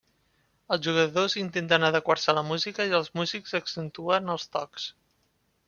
Els jugadors intenten adequar-se a la música, i els músics accentuen els tocs.